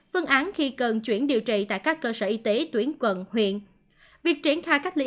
phương án khi cần chuyển điều trị tại các cơ sở y tế tuyển quận huyện